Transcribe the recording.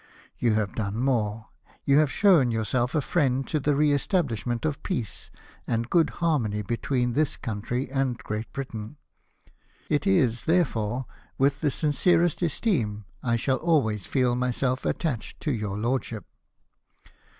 You have done more ; you have shown yourself a friend to the re establishment of peace and good harmony between this country and Great Britain. It is, therefore, with the sincerest esteem I shall always feel myself at tached to your lordship."